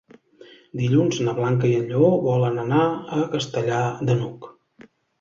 Dilluns na Blanca i en Lleó volen anar a Castellar de n'Hug.